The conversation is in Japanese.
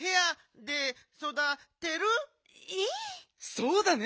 そうだね。